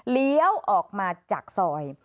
เลี้ยวออกมาจากซอย